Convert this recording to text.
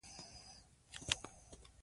مور د کورنۍ لپاره رنګین خواړه پخوي.